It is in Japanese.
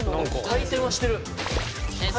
回転はしてるよ。